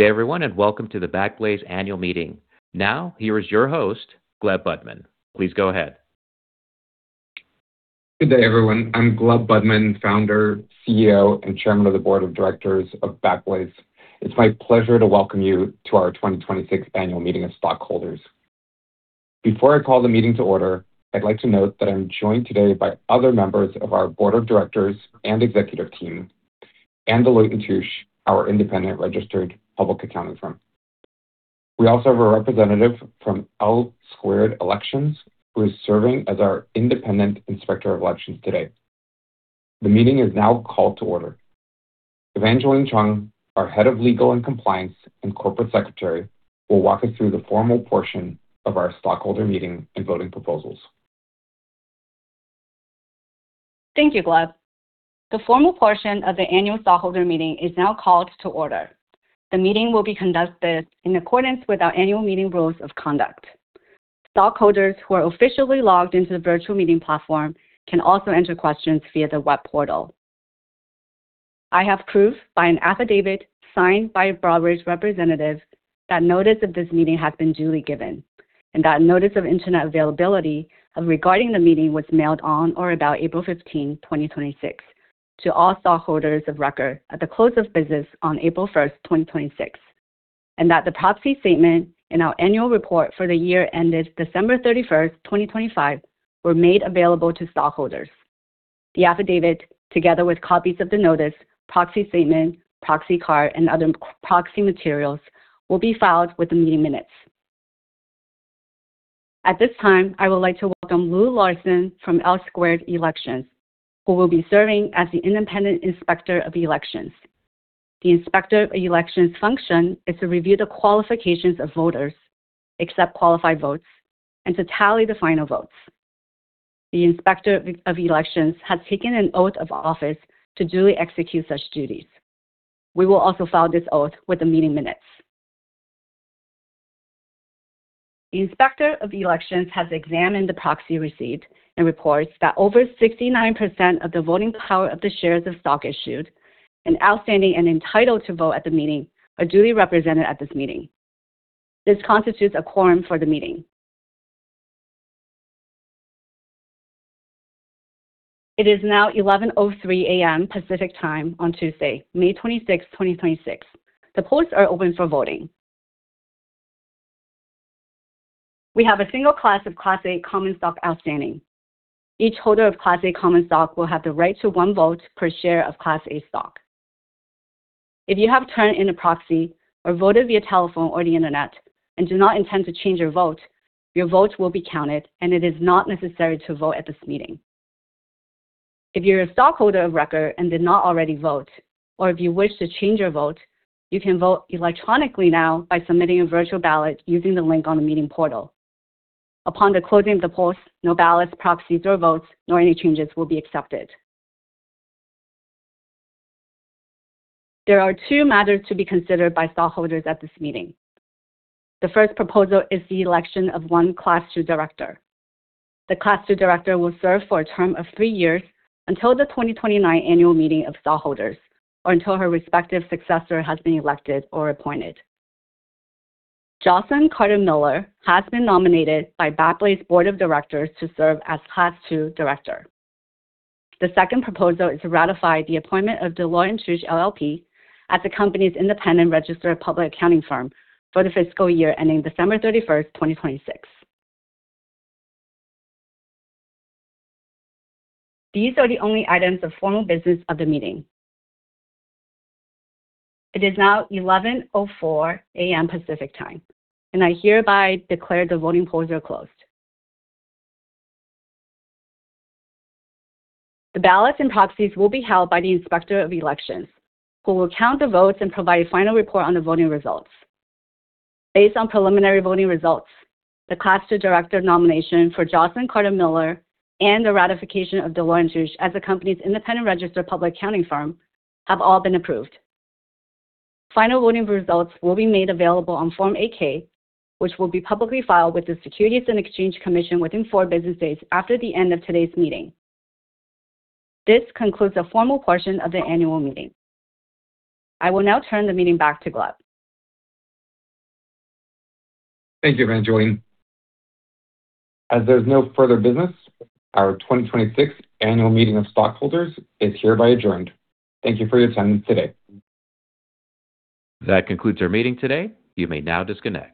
Good day, everyone, and welcome to the Backblaze annual meeting. Now, here is your host, Gleb Budman. Please go ahead. Good day, everyone. I'm Gleb Budman, Founder, CEO, and Chairman of the Board of Directors of Backblaze. It's my pleasure to welcome you to our 2026 annual meeting of stockholders. Before I call the meeting to order, I'd like to note that I'm joined today by other members of our Board of Directors and executive team, and Deloitte & Touche, our independent registered public accounting firm. We also have a representative from L2 Elections, who is serving as our independent inspector of elections today. The meeting is now called to order. Evangeline Cheung, our Head of Legal and Compliance and Corporate Secretary, will walk us through the formal portion of our stockholder meeting and voting proposals. Thank you, Gleb Budman. The formal portion of the annual stockholder meeting is now called to order. The meeting will be conducted in accordance with our annual meeting rules of conduct. Stockholders who are officially logged into the virtual meeting platform can also enter questions via the web portal. I have proof by an affidavit signed by a Backblaze representative that notice of this meeting has been duly given, and that notice of internet availability regarding the meeting was mailed on or about April 15, 2026, to all stockholders of record at the close of business on April 1st, 2026, and that the proxy statement and our annual report for the year ended December 31st, 2025, were made available to stockholders. The affidavit, together with copies of the notice, proxy statement, proxy card, and other proxy materials, will be filed with the meeting minutes. At this time, I would like to welcome Lou Larson from L2 Elections, who will be serving as the independent inspector of the elections. The inspector of elections' function is to review the qualifications of voters, accept qualified votes, and to tally the final votes. The inspector of elections has taken an oath of office to duly execute such duties. We will also file this oath with the meeting minutes. The inspector of elections has examined the proxy received and reports that over 69% of the voting power of the shares of stock issued and outstanding and entitled to vote at the meeting are duly represented at this meeting. This constitutes a quorum for the meeting. It is now 11:03 A.M. Pacific Time on Tuesday, May 26th, 2026. The polls are open for voting. We have a single class of Class A common stock outstanding. Each holder of Class A common stock will have the right to one vote per share of Class A stock. If you have turned in a proxy or voted via telephone or the internet and do not intend to change your vote, your votes will be counted, and it is not necessary to vote at this meeting. If you're a stockholder of record and did not already vote, or if you wish to change your vote, you can vote electronically now by submitting a virtual ballot using the link on the meeting portal. Upon the closing of the polls, no ballots, proxies or votes, nor any changes will be accepted. There are two matters to be considered by stockholders at this meeting. The first proposal is the election of one Class two director. The Class two director will serve for a term of three years until the 2029 annual meeting of stockholders, or until her respective successor has been elected or appointed. Jocelyn Carter-Miller has been nominated by Backblaze board of directors to serve as Class two director. The second proposal is to ratify the appointment of Deloitte & Touche LLP as the company's independent registered public accounting firm for the fiscal year ending December 31st, 2026. These are the only items of formal business of the meeting. It is now 11:04 A.M. Pacific Time, I hereby declare the voting polls are closed. The ballots and proxies will be held by the inspector of elections, who will count the votes and provide a final report on the voting results. Based on preliminary voting results, the Class two director nomination for Jocelyn Carter-Miller and the ratification of Deloitte & Touche as the company's independent registered public accounting firm have all been approved. Final voting results will be made available on Form 8-K, which will be publicly filed with the Securities and Exchange Commission within four business days after the end of today's meeting. This concludes the formal portion of the annual meeting. I will now turn the meeting back to Gleb. Thank you, Evangeline. As there's no further business, our 2026 annual meeting of stockholders is hereby adjourned. Thank you for your time today. That concludes our meeting today. You may now disconnect.